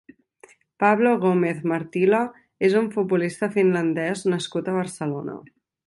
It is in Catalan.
Pablo Gomez-Marttila és un futbolista finlandès nascut a Barcelona.